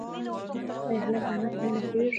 ایا هلک د انا په مینه پوهېږي؟